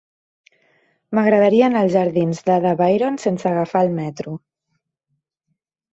M'agradaria anar als jardins d'Ada Byron sense agafar el metro.